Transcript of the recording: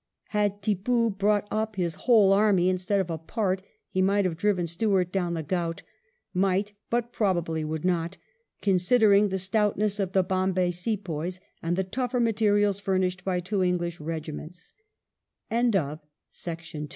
Had Tippoo brought up his whole army instead of a part, he might have driven Stuart down the Ghaut — ^might, but probably would not, considering the stoutness of the Bombay Sepoys and the tougher materials furnished by two English r